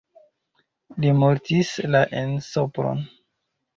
Li mortis la en Sopron.